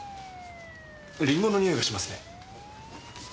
りんごの匂いがしますね。